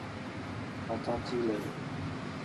I’ll talk to you later.